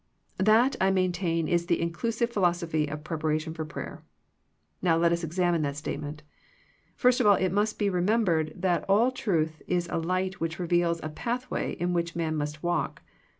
That I maintain is the inclusive philosophy of preparation for prayer. Now let us examine that statement. First of all it must be remembered that all truth is a light which reveals a pathway in which man must walk.